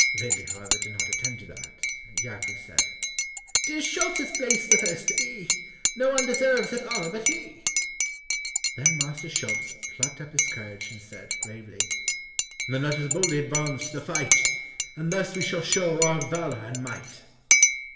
Veitli, however, did not attend to that, and Jackli said, "Tis Schulz's place the first to be, No one deserves that honor but he." Then Master Schulz plucked up his courage, and said, gravely, "Then let us boldly advance to the fight, And thus we shall show our valour and might."